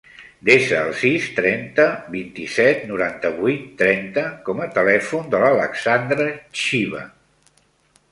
Desa el sis, trenta, vint-i-set, noranta-vuit, trenta com a telèfon de l'Alexandra Chiva.